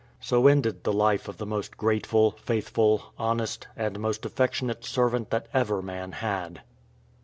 So ended the life of the most grateful, faithful, honest, and most affectionate servant that ever man had.